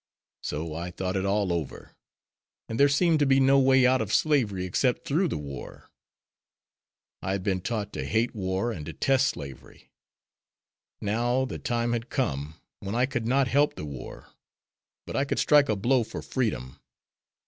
So I thought it all over, and there seemed to be no way out of slavery except through the war. I had been taught to hate war and detest slavery. Now the time had come when I could not help the war, but I could strike a blow for freedom.